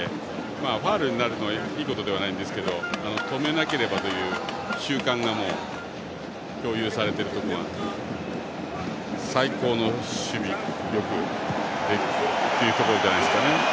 ファウルになるのはいいことではないんですが止めなければという習慣がもう共有されているところが最高の守備力というところじゃないですかね。